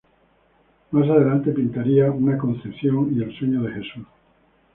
Más adelante pintaría "Una Concepción" y "El Sueño de Jesús".